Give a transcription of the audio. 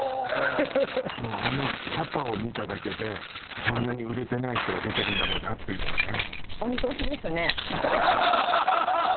あのキャパを見ただけでそんなに売れてない人が出てるんだろうなっていうのがね。